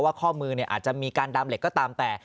ข้อมืออาจจะมีการดามเหล็กก็ตามแต่